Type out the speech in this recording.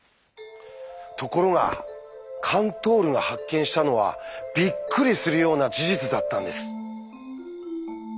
ところがカントールが発見したのはびっくりするような事実だったんです。